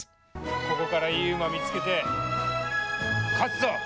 ここからいい馬見つけて、勝つぞ。